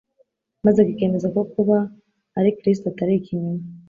maze kikemeza ko kuba ari Kristo atari ikinyoma.